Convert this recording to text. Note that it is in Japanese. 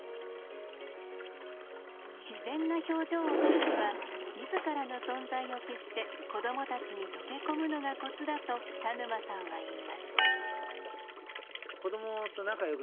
自然な表情を撮るには自らの存在を消して子どもたちに溶け込むのがコツだと田沼さんはいいます。